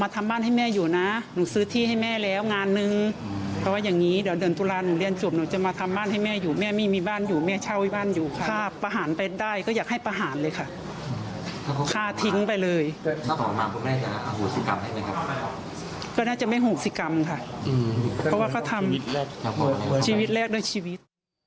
ก็น่าจะไม่โหสิกรรมค่ะเพราะว่าเขาทำชีวิตแรกด้วยชีวิต